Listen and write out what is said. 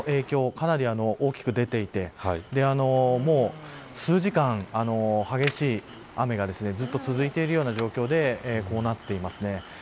かなり大きく出ていて数時間、激しい雨がずっと続いているような状況でこうなっていますね。